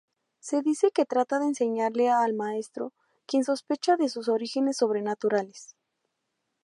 Se dice que trata de enseñarle al maestro, quien sospecha de sus orígenes sobrenaturales.